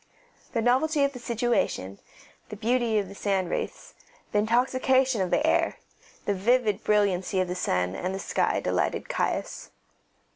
The novelty of the situation, the beauty of the sand wreaths, the intoxication of the air, the vivid brilliancy of the sun and the sky, delighted Caius.